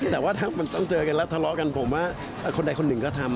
แต่ว่าถ้ามันต้องเจอกันแล้วทะเลาะกันผมว่าคนใดคนหนึ่งก็ทำ